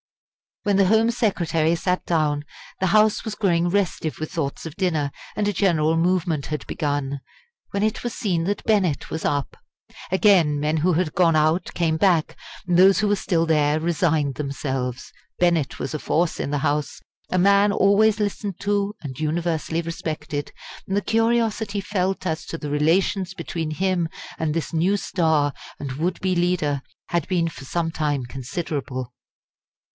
When the Home Secretary sat down, the House was growing restive with thoughts of dinner, and a general movement had begun when it was seen that Bennett was up. Again men who had gone out came back, and those who were still there resigned themselves. Bennett was a force in the House, a man always listened to and universally respected, and the curiosity felt as to the relations between him and this new star and would be leader had been for some time considerable.